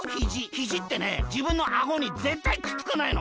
ひじってねじぶんのあごにぜったいくっつかないの！